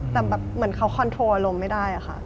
แต่เหมือนเขาคอนโทรลอารมณ์ไม่ได้